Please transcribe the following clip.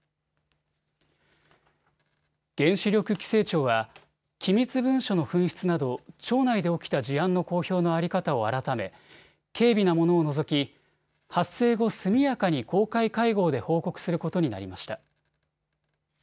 原子力規制庁は機密文書の紛失など庁内で起きた事案の公表の在り方を改め軽微なものを除き発生後、速やかに公開会合で報告することになりました。